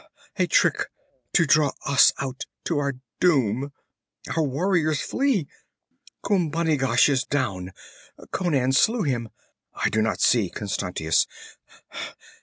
A trick to draw us out to our doom! Our warriors flee! Khumbanigash is down Conan slew him. I do not see Constantius.